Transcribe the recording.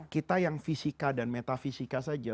kita yang fisika dan metafisika saja